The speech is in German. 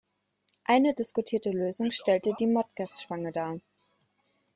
Eine diskutierte Lösung stellte die „Mottgers-Spange“ dar.